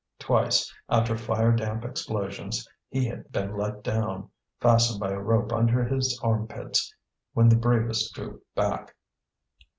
Twice, after fire damp explosions, he had been let down, fastened by a rope under his armpits, when the bravest drew back.